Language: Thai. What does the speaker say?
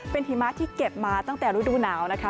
เป็นหิมะที่เก็บมาตั้งแต่ฤดูหนาวนะคะ